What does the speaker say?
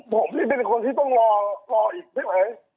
ผมนี่เป็นคนที่ต้องรออีกใช่ไหม